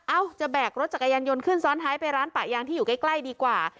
จะแบกรถจักรยานยนต์ขึ้นซ้อนท้ายไปร้านปะยางที่อยู่ใกล้ดีกว่า